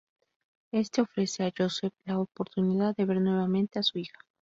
Éste ofrece a Joseph la oportunidad de ver nuevamente a su hija.